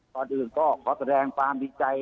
ก่อนอื่นก็ขอแสดงความดีใจ